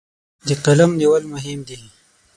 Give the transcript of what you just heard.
د قلم نیول مهم دي.